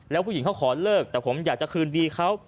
แล้วผู้หญิงเขาขอเลิกแต่ผมอยากจะคืนดีเขา